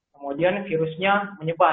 kemudian virusnya menyebar